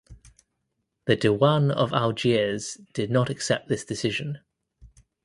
The Diwan of Algiers did not accept this decision.